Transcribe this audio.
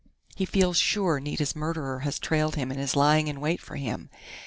He feels sure Nita's murderer has trailed him and is lying in wait for him.